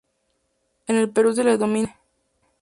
En el Perú se le denomina "chiste".